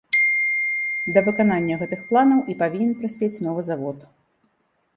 Да выканання гэтых планаў і павінен прыспець новы завод.